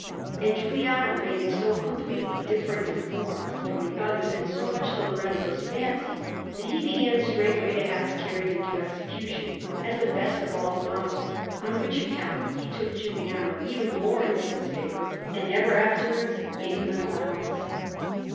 And Giuliano made it so completely different in form from the others, and so much to Lorenzo's fancy, that he began straightway to have it carried into execution, as the best of all the models; on which account he took Giuliano even more into his favour, and ever afterwards gave him an allowance.